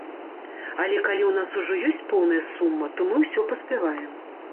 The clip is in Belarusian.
Але калі ў нас ужо ёсць поўная сума, то мы ўсё паспяваем.